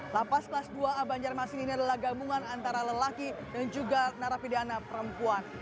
lapas kelas dua a banjarmasin ini adalah gabungan antara lelaki dan juga narapidana perempuan